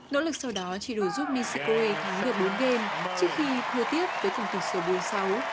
nỗ lực sau đó chỉ đủ giúp nishikori thắng được bốn game trước khi thua tiếp với tỷ số bốn sáu